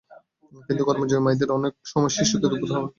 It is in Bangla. কিন্তু কর্মজীবী মায়েদের জন্য অনেক সময় শিশুকে দুধ খাওয়ানো কঠিন হয়ে পড়ে।